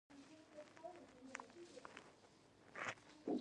هغه د موټورولا چپس نومونو ته ځواب نه ورکوي